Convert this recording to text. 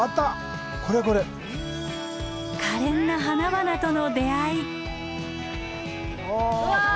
可憐な花々との出会い。